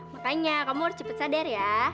makanya kamu harus cepat sadar ya